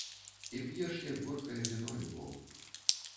І п'еш, як горкае віно, любоў.